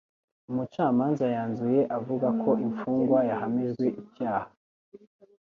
Umucamanza yanzuye avuga ko imfungwa yahamijwe icyaha.